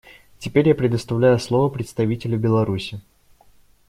Теперь я предоставляю слово представителю Беларуси.